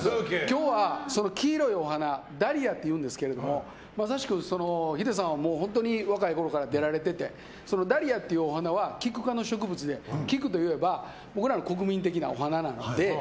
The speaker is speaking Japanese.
今日は黄色いお花ダリアっていうんですけどまさしくヒデさんは若いころから出られていてダリアっていうお花はキク科の植物でキクといえば僕らの国民的なお花なので。